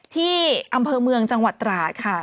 ที่อำเภอเมืองจังหวัดตราดค่ะ